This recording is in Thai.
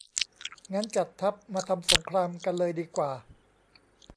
งั้นจัดทัพ มาทำสงครามกันเลยดีกว่า !